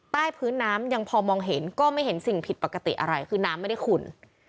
ใต้พื้นน้ำยังพอมองเห็นก็ไม่เห็นสิ่งผิดปกติอะไรคือน้ำไม่ได้ขุ่น